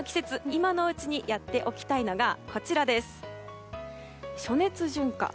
今のうちにやっておきたいのが暑熱順化。